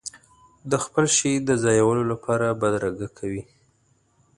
د خپل شي د ځایولو لپاره بدرګه کوي.